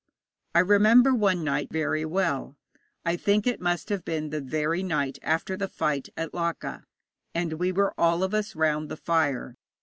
I remember one night very well I think it must have been the very night after the fight at Laka, and we were all of us round the fire.